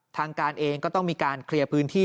ทางการเองก็ต้องมีการเคลียร์พื้นที่